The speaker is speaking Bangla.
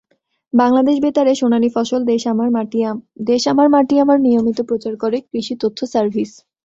বাংলাদেশ বেতারে "সোনালী ফসল", "দেশ আমার মাটি আমার" নিয়মিত প্রচার করে কৃষি তথ্য সার্ভিস।